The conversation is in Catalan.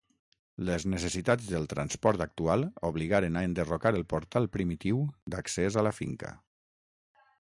Les necessitats del transport actual obligaren a enderrocar el portal primitiu d'accés a la finca.